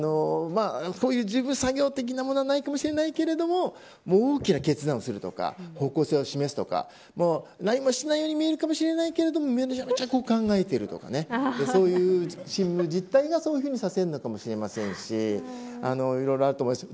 こういう事務作業的な作業はないかもしれないけど大きな決断をするとか方向性を示すとか何もしないように見えるかもしれないけどもめちゃくちゃ考えてるとかそういう勤務実態がそういうふうにさせるのかもしれませんしいろいろあると思います。